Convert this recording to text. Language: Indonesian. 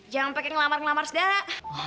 jangan pengen ngelamar ngelamar sedara